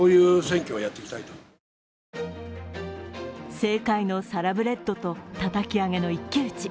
政界のサラブレッドと、たたき上げの一騎打ち。